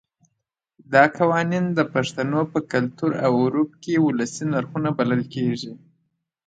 دا قوانین د پښتنو په کلتور او عرف کې ولسي نرخونه بلل کېږي.